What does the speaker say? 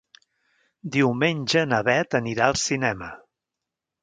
Diumenge na Bet anirà al cinema.